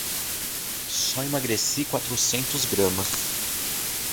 Só emagreci quatrocentos gramas.